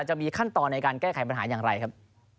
จะมีขั้นตอนในการแก้ไขปัญหาอย่างไรครับ